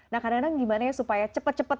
nah kadang kadang gimana ya supaya cepet cepet